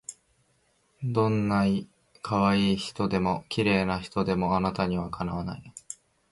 どんない可愛い人でも綺麗な人でもあなたには敵わない